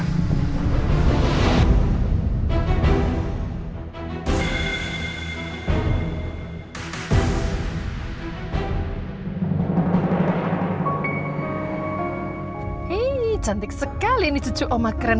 hmm cantik sekali ini cucu oma keren